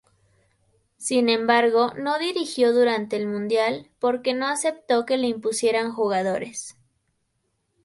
Sin embargo no dirigió durante el Mundial, porque no aceptó que le impusieran jugadores.